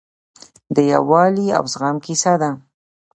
د یووالي او زغم کیسه ده.